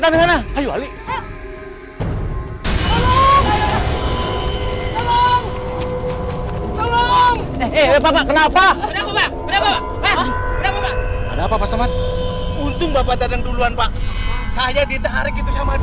saya ditarik itu sama dujung pak